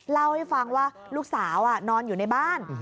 เล่าให้ฟังว่าลูกสาวนอนอยู่ในบ้าน